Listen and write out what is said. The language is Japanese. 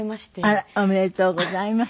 あらおめでとうございます。